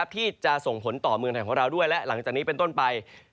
ที่จะส่งผลต่อเมืองไทยของเราด้วยและหลังจากนี้เป็นต้นไป